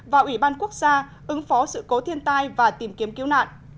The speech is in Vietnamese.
và ủy ban quốc gia ứng phó sự cố thiên tai và tìm kiếm cứu nạn